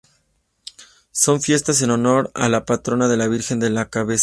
Son fiestas en honor de la patrona la Virgen de la Cabeza.